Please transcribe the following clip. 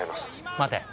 待て。